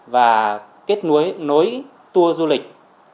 và kết nối tour du lịch